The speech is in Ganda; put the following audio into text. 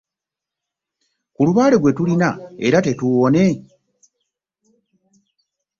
Ku lubaale gwe tulina era tetuuwone?